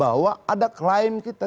bahwa ada klaim kita